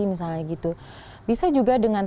misalnya gitu bisa juga dengan